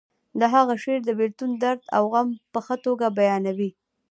د هغه شعر د بیلتون درد او غم په ښه توګه بیانوي